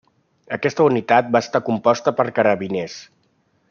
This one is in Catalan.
Aquesta unitat va estar composta per carabiners.